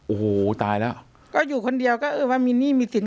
โอ้โหตายแล้วก็อยู่คนเดียวก็เออว่ามีหนี้มีสิน